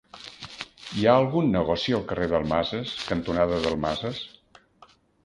Hi ha algun negoci al carrer Dalmases cantonada Dalmases?